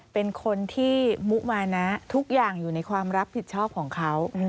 เป็นคนที่มุมานะทุกอย่างอยู่ในความรับผิดชอบของเขา